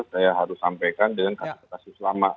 saya harus sampaikan dengan kasus kasus lama